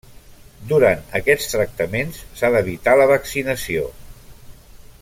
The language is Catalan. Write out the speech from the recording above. Durant aquests tractaments s’ha d’evitar la vaccinació.